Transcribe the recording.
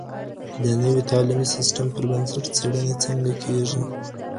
د نوي تعلیمي سیستم پر بنسټ څیړنې څنګه کیږي؟